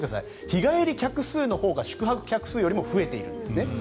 日帰り客数のほうが宿泊客数よりも増えているんですね。